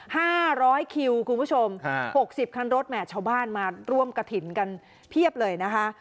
ห้าร้อยคิวคุณผู้ชมฮะหกสิบคันรถแห่ชาวบ้านมาร่วมกระถิ่นกันเพียบเลยนะคะ